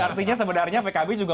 artinya sebenarnya pkb juga